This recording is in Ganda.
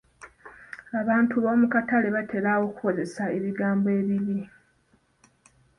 Abantu b'omu katale batera okukozesa ebigambo ebibi.